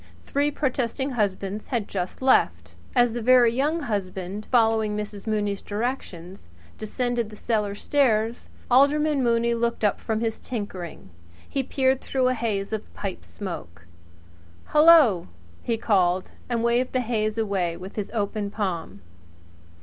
Three protesting husbands had just left. As the Very Young Husband, following Mrs. Mooney's directions, cautiously descended the cellar stairs, Alderman Mooney looked up from his tinkering. He peered through a haze of pipe smoke. "Hello!" he called, and waved the haze away with his open palm.